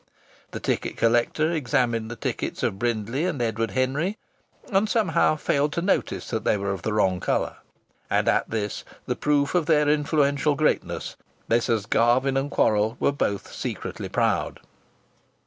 The ticket collector examined the tickets of Brindley and Edward Henry, and somehow failed to notice that they were of the wrong colour. And at this proof of their influential greatness Messieurs Garvin & Quorrall were both secretly proud.